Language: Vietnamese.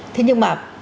thế nhưng mà